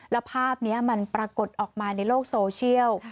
แล้วภาพนี้มันปรากฏออกมาในโลกโซเชียล